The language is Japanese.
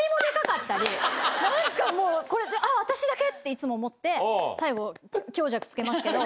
いつも思って最後強弱つけますけど。